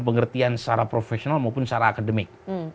pengertian secara profesional maupun secara akademik